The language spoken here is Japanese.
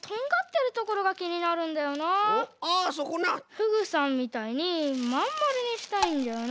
フグさんみたいにまんまるにしたいんだよな。